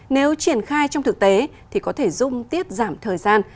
nếu triển khai trong thực tế thì có thể giúp tiết giảm thời gian